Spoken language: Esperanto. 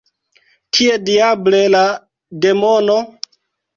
Kie diable la demono?